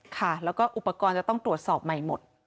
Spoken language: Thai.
ค่ะแล้วก็อุปกรณ์จะต้องตรวจสอบใหม่หมด